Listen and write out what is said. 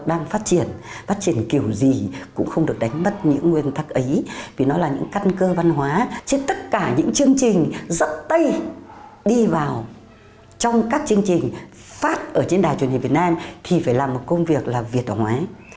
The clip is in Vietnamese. đi vào trong các chương trình phát ở trên đài truyền hình việt nam thì phải làm một công việc là việt đồng hóa